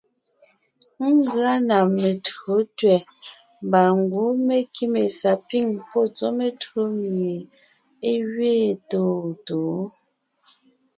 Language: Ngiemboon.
Ngʉa na metÿǒ tẅɛ̀ mbà ngwɔ́ mé kíme sapîŋ pɔ́ tsɔ́ metÿǒ mie é gẅeen tôontǒon.